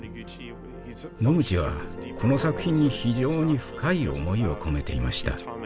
ノグチはこの作品に非常に深い思いを込めていました。